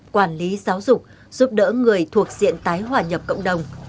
quản lý giáo dục giúp đỡ người thuộc diện tái hòa nhập cộng đồng